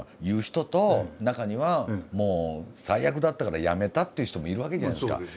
言う人と中には「もう最悪だったから辞めた」って言う人もいるわけじゃないですか。